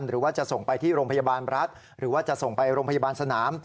หรือว่าจะส่งไปที่โรงพยาบาลรัฐหรือว่าจะส่งไปโรงพยาบาลสนาม